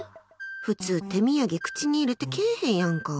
普通、手土産口に入れてけえへんやんか。